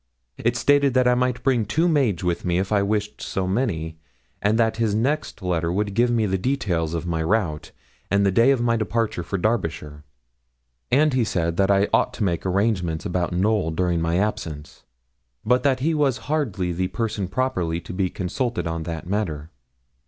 It stated that I might bring two maids with me if I wished so many, and that his next letter would give me the details of my route, and the day of my departure for Derbyshire; and he said that I ought to make arrangements about Knowl during my absence, but that he was hardly the person properly to be consulted on that matter.